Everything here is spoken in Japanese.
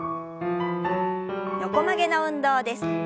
横曲げの運動です。